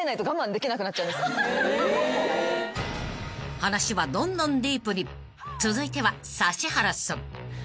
［話はどんどんディープに続いては指原さん］